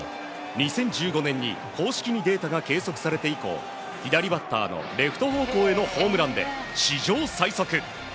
２０１５年に公式にデータが計測されて以降左バッターのレフト方向へのホームランで史上最速。